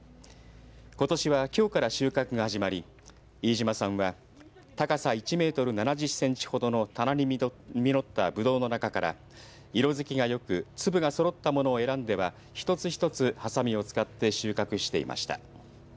ことしはきょうから収穫が始まり飯島さんは高さ１メートル７０センチほどの棚に実ったぶどうの中から色づきがよく粒がそろったものを選んでは一つ一つ、はさみを使って収穫していました。